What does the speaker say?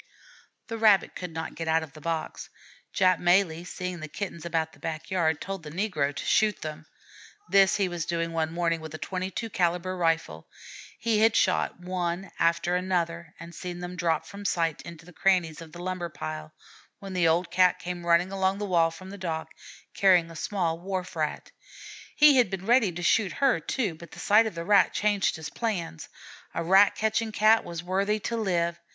The Rabbit could not get out of the box. Jap Malee, seeing the Kittens about the back yard, told the negro to shoot them. This he was doing one morning with a 22 calibre rifle. He had shot one after another and seen them drop from sight into the crannies of the lumber pile, when the old Cat came running along the wall from the dock, carrying a small Wharf Rat. He had been ready to shoot her, too, but the sight of that Rat changed his plans: a rat catching Cat was worthy to live.